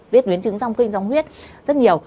biến chứng rong kinh rong huyết rất nhiều